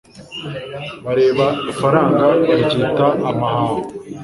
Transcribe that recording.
Bareba ifaranga baryita amahaho